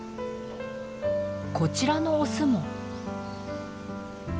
こちらのオスも。